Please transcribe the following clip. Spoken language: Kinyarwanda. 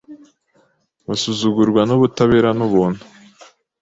Basuzugurwa n'ubutabera n'ubuntu